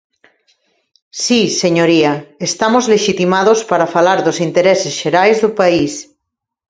Si, señoría, estamos lexitimados para falar dos intereses xerais do país.